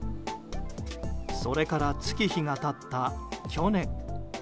それから月日が経った去年。